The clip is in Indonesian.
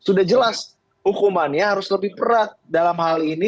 sudah jelas hukumannya harus lebih berat dalam hal ini